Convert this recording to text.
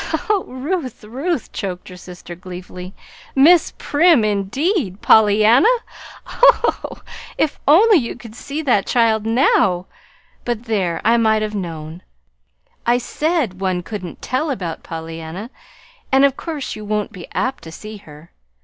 "Oh, Ruth, Ruth," choked her sister, gleefully. "Miss Prim, indeed POLLYANNA! Oh, oh, if only you could see that child now! But there, I might have known. I SAID one couldn't TELL about Pollyanna. And of course you won't be apt to see her.